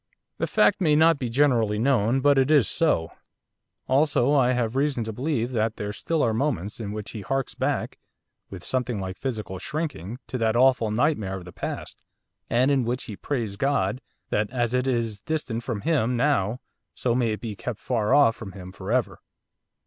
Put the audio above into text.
The fact may not be generally known, but it is so. Also I have reason to believe that there still are moments in which he harks back, with something like physical shrinking, to that awful nightmare of the past, and in which he prays God, that as it is distant from him now so may it be kept far off from him for ever.